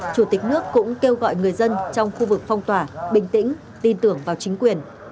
chủ tịch nước cũng kêu gọi người dân trong khu vực phong tỏa bình tĩnh tin tưởng vào chính quyền